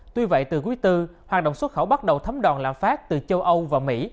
tuy vậy từ quý tư hoạt động xuất khẩu bắt đầu thấm đòn lạm phát từ châu âu và mỹ